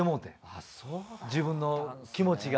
自分の気持ちが。